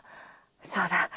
そうだ。